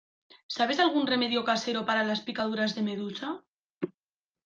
¿Sabes algún remedio casero para las picaduras de medusa?